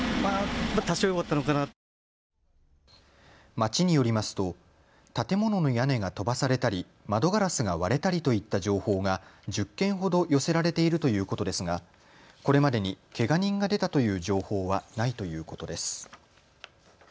町によりますと建物の屋根が飛ばされたり窓ガラスが割れたりといった情報が１０件ほど寄せられているということですがこれまでにけが人が出たという情報はないということです。